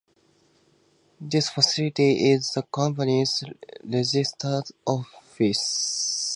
This facility is the company's registered office.